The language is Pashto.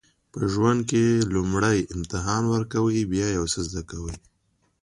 په ژوند کې لومړی امتحان ورکوئ بیا یو څه زده کوئ.